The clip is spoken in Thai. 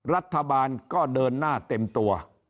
รัฐบาลก็เดินหน้าเต็มตัว